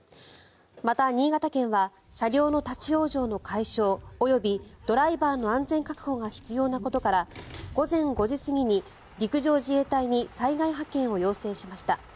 また新潟県は車両の立ち往生の解消及びドライバーの安全確保が必要なことから午前５時過ぎに陸上自衛隊に災害派遣を要請しました。